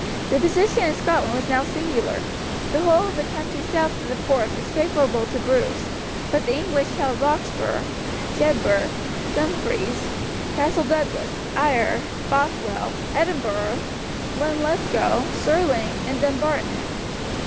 The position in Scotland was now singular: the whole of the country south of the Forth was favourable to Bruce, but the English held Roxburgh, Jedburgh, Dumfries, Castle Douglas, Ayr, Bothwell, Edinburgh, Linlithgow, Stirling, and Dumbarton.